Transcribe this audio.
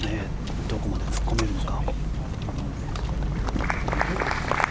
どこまで突っ込めるのか。